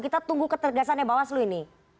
kita tunggu ketegasannya bawaslu ini